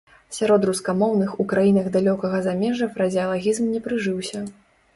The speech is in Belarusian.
Сярод рускамоўных у краінах далёкага замежжа фразеалагізм не прыжыўся.